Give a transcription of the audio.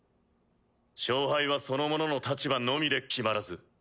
勝敗はその者の立場のみで決まらず。